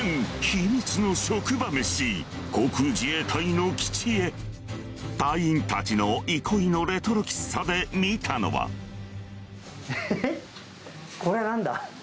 ヒミツの職場めし』航空自衛隊の基地へ隊員たちの憩いのレトロ喫茶で見たのはえっ？